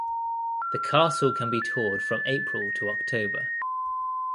The castle can be toured from April to October.